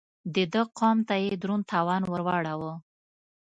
د ده قوم ته يې دروند تاوان ور واړاوه.